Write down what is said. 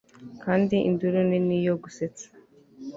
Kandi induru nini yo gusetsa